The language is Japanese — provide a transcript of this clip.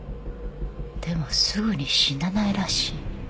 でもすぐに死なないらしい。